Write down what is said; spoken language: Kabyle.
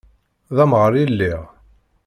D amɣar i lliɣ.